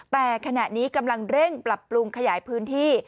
แต่ขณะนี้กำลังเร่งปรับปรุงขยายพื้นที่